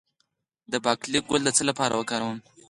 د باقلي ګل د څه لپاره وکاروم؟